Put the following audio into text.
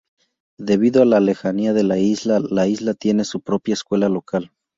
Debido a la lejanía de la isla, la isla tiene su propia escuela local.